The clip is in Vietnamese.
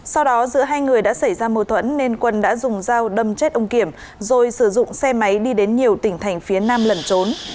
sau đó giữa hai người đã xảy ra mâu thuẫn nên quân đã dùng dao đâm chết ông kiểm rồi sử dụng xe máy đi đến nhiều tỉnh thành phía nam lẩn trốn